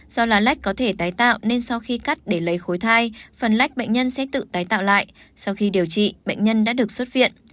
do lách có thể tái tạo nên sau khi cắt để lấy khối thai phần lách bệnh nhân sẽ tự tái tạo lại sau khi điều trị bệnh nhân đã được xuất viện